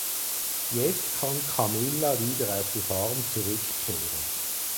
Jetzt kann Camilla wieder auf die Farm zurückkehren.